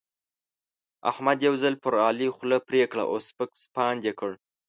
احمد یو ځل پر علي خوله پرې کړه او سپک سپاند يې کړ.